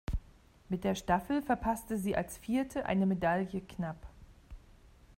Mit der Staffel verpasste sie als Vierte eine Medaille knapp.